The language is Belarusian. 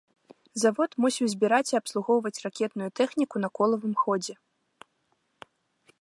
Завод мусіў збіраць і абслугоўваць ракетную тэхніку на колавым ходзе.